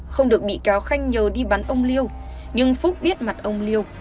không được bị cáo khanh nhờ đi bắn ông liêu nhưng phúc biết mặt ông liêu